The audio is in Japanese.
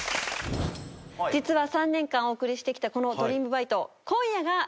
実は３年間お送りしてきたこの『ドリームバイト！』